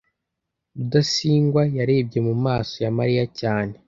rudasingwa yarebye mu maso ya mariya cyane